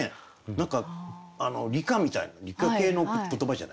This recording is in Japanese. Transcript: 何か理科みたいな理科系の言葉じゃない？